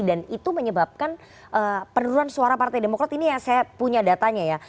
itu menyebabkan penurunan suara partai demokrat ini yang saya punya datanya ya